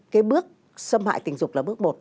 cái bước xâm hại tình dục là bước một